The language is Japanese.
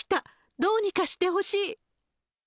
どうにかしてほしい。